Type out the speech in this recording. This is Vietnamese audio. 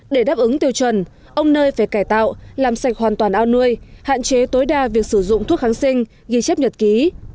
để đáp ứng tiêu chuẩn ông nơi phải cải tạo làm sạch hoàn toàn ao nuôi hạn chế tối đa việc sử dụng thuốc kháng sinh ghi chép nhật ký